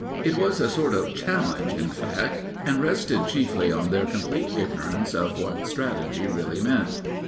It was a sort of challenge, in fact, and rested chiefly on their complete ignorance of what strategy really meant.